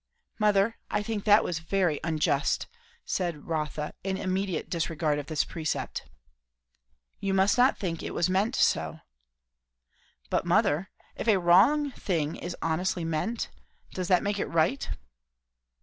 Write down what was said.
"Mother, I think that was very unjust," said Rotha, in immediate disregard of this precept. "You must not think it was meant so." "But, mother, if a wrong thing is honestly meant, does that make it right?"